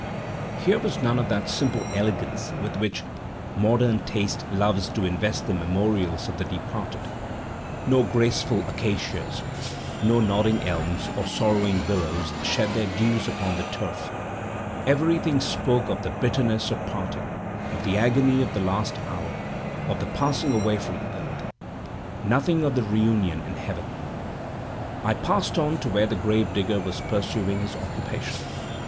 Here was none of that simple elegance with which modern taste loves to invest the memorials of the departed; no graceful acacias, or nodding elms, or sorrowing willows shed their dews upon the turf—every thing spoke of the bitterness of parting, of the agony of the last hour, of the passing away from earth—nothing of the reunion in heaven! I passed on to where the grave digger was pursuing his occupation.